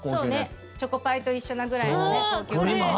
そうね、チョコパイと一緒なぐらいの高級感。